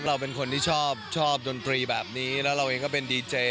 เราเป็นคนที่ชอบชอบดนตรีแบบนี้แล้วเราเองก็เป็นดีเจ